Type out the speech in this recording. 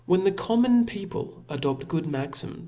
59 the common people adopt good maxim?